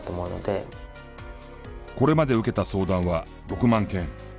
これまで受けた相談は６万件。